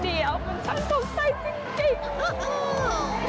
เอางานชักสงสัยจริง